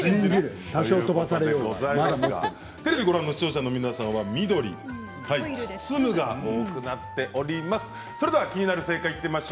テレビをご覧の視聴者の皆さんは緑・包むが多くなっています。